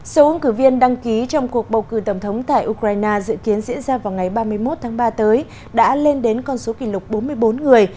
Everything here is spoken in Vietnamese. số ứng cử viên đăng ký trong cuộc bầu cử tổng thống tại ukraine dự kiến diễn ra vào ngày ba mươi một tháng ba tới đã lên đến con số kỷ lục bốn mươi bốn người